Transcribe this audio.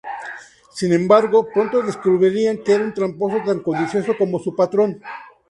Sin embargo, pronto descubrirán que es un tramposo tan codicioso como su patrón.